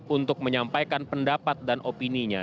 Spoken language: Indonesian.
untuk menyampaikan pendapat dan opininya